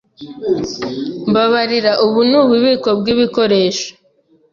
Mbabarira. Ubu ni ububiko bwibikoresho?